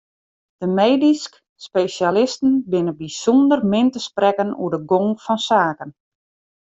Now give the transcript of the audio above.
De medysk spesjalisten binne bysûnder min te sprekken oer de gong fan saken.